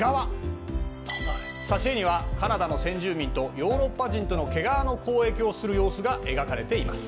挿絵にはカナダの先住民とヨーロッパ人との毛皮の交易をする様子が描かれています。